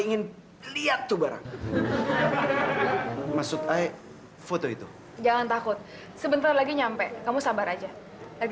ingin lihat tuh barang masuk foto itu jangan takut sebentar lagi nyampe kamu sabar aja lagi